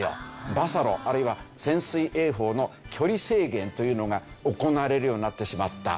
バサロあるいは潜水泳法の距離制限というのが行われるようになってしまった。